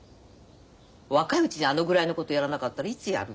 若いうちにあのぐらいのことやらなかったらいつやるのよ。